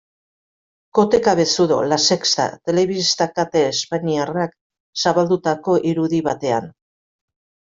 Kote Cabezudo, La Sexta telebista kate espainiarrak zabaldutako irudi batean.